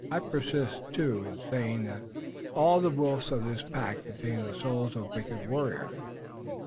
I persist, too, in saying that all the wolves of this pack contain the souls of wicked warriors.